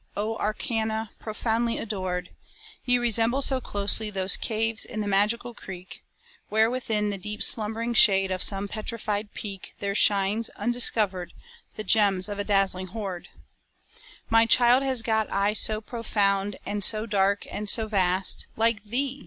O Arcana profoundly adored! Ye resemble so closely those caves in the magical creek; Where within the deep slumbering shade of some petrified peak, There shines, undiscovered, the gems of a dazzling hoard. My child has got eyes so profound and so dark and so vast, Like thee!